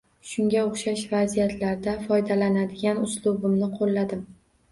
Shunga oʻxshash vaziyatlarda foydalanadigan uslubimni qoʻlladim.